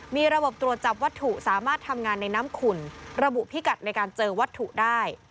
มีระบบตรวจจับวัตถุสามารถทำงานในน้ำขุ่นระบุพิกัดในการเจอวัตถุได้